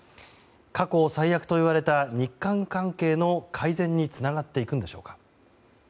過去最悪といわれた日韓関係の改善につながっていくんでしょうか。